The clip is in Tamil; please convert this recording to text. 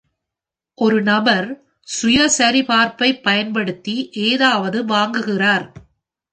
ஒரு நபர் சுய சரிபார்ப்பைப் பயன்படுத்தி ஏதாவது வாங்குகிறார்.